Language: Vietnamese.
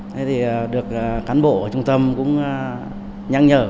thế thì được cán bộ ở trung tâm cũng nhắc nhở